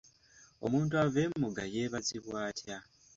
Omuntu ava emugga yeebazibwa atya?